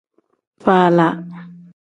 Faala.